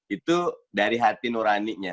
itu dari hati nurani nya